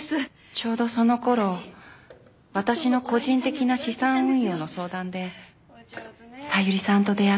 ちょうどその頃私の個人的な資産運用の相談で小百合さんと出会った。